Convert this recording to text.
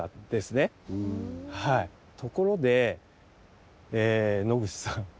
ところで野口さん。